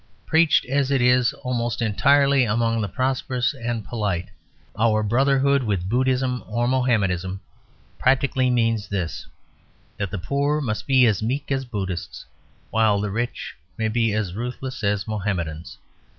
Preached, as it is, almost entirely among the prosperous and polite, our brotherhood with Buddhism or Mohammedanism practically means this that the poor must be as meek as Buddhists, while the rich may be as ruthless as Mohammedans.